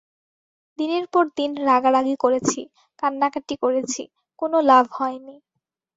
দিনের পর দিন রাগারাগি করেছি, কান্নাকাটি করেছি, কোনো লাভ হয়নি।